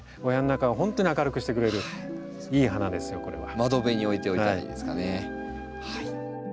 窓辺に置いておいたらいいですかね。